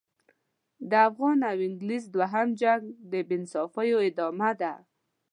د افغان او انګلیس دوهم جنګ د بې انصافیو ادامه ده.